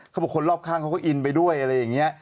เขาบอกคนรอบข้างเขาก็อินไปด้วยอะไรอย่างนี้